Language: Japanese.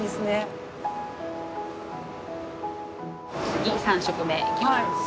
次３色目いきます。